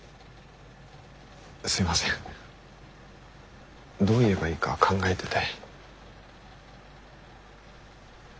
すいませんどう言えばいいか考えてて。